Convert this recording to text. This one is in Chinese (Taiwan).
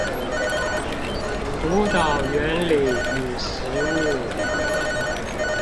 輔導原理與實務